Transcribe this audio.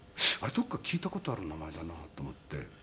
どこかで聞いた事ある名前だなと思って。